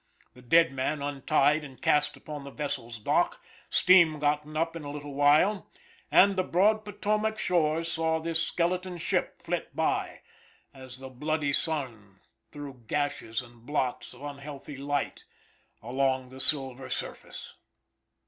The dead man untied and cast upon the vessel's dock, steam gotten up in a little while, and the broad Potomac shores saw this skeleton ship flit by, as the bloody sun threw gashes and blots of unhealthy light along the silver surface.